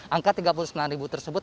angka tiga puluh sembilan ribu tersebut